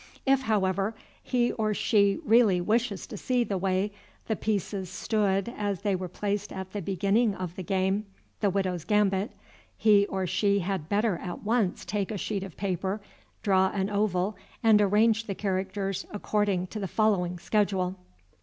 If, however, he or she really wishes to see the way the pieces stood as they were placed at the beginning of the game, (the Widow's gambit,) he or she had better at once take a sheet of paper, draw an oval, and arrange the characters according to the following schedule.